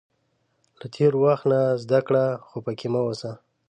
• له تېر وخت نه زده کړه، خو پکې مه اوسه.